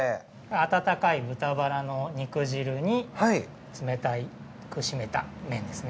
温かい豚バラの肉汁に冷たく締めた麺ですね。